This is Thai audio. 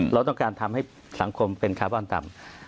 เราต้องการทำให้สังคมเป็นคาร์บอนต่ำ